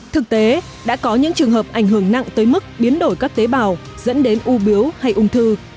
thực tế đã có những trường hợp ảnh hưởng nặng tới mức biến đổi các tế bào dẫn đến u biếu hay ung thư